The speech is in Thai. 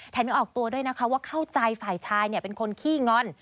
ยังออกตัวด้วยนะคะว่าเข้าใจฝ่ายชายเป็นคนขี้งอน